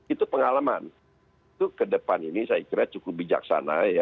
itu pengalaman itu ke depan ini saya kira cukup bijaksana ya